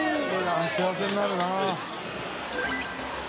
幸せになるな。